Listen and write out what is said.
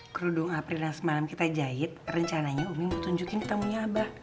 kerudung afril yang semalam kita jahit rencananya umi mau tunjukin tamunya abah